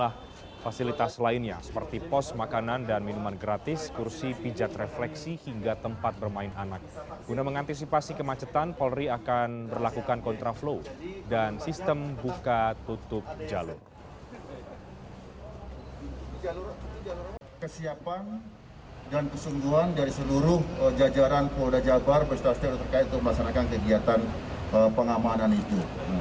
kesiapan dan kesungguhan dari seluruh jajaran polda jabar beristirahat istirahat terkait untuk memasarkan kegiatan pengamanan itu